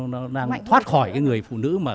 nó đang thoát khỏi người phụ nữ